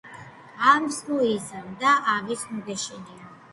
ავს ნუ იზამ და ავის ნუ გეშინია